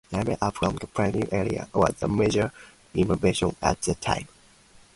The elevator up from the parking area was a major innovation at the time.